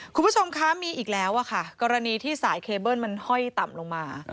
คุณผู้ชมคะมีอีกแล้วค่ะกรณีที่สายเคเบิ้ลมันห้อยต่ำลงมา